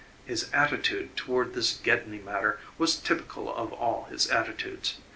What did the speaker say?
His attitude toward this Gedney matter was typical of all his attitudes.